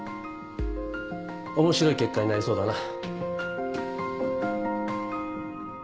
面白い結果になりそうだな。